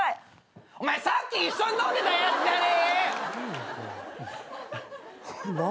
お前さっき一緒に飲んでたやつじゃねえかよ！